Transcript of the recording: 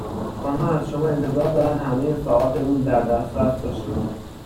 آنها از شما انتظار دارند همهی ساعات روز در دسترس باشید.